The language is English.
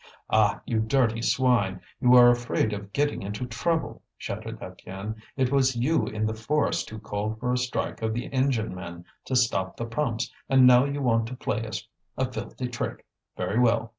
"Ah! you dirty swine; you are afraid of getting into trouble!" shouted Étienne. "It was you in the forest who called for a strike of the engine men, to stop the pumps, and now you want to play us a filthy trick! Very well!